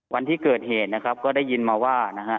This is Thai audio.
วันที่เกิดเหตุนะครับก็ได้ยินมาว่านะฮะ